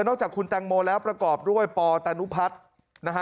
อกจากคุณแตงโมแล้วประกอบด้วยปตานุพัฒน์นะฮะ